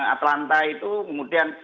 atlanta itu kemudian